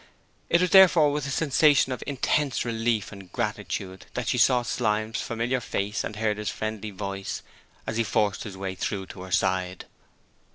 It was therefore with a sensation of intense relief and gratitude that she saw Slyme's familiar face and heard his friendly voice as he forced his way through to her side.